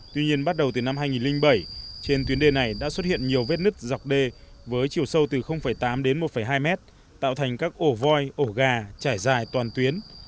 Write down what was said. tuy nhiên bắt đầu từ năm hai nghìn bảy trên tuyến đê này đã xuất hiện nhiều vết nứt dọc đê với chiều sâu từ tám đến một hai mét tạo thành các ổ voi ổ gà trải dài toàn tuyến